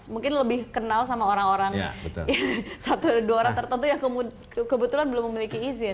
mungkin lebih kenal sama orang orang satu dua orang tertentu yang kebetulan belum memiliki izin